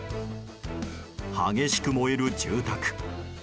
激しく燃える住宅。